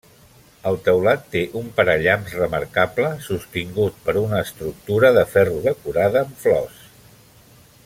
El teulat té un parallamps remarcable sostingut per una estructura de ferro decorada amb flors.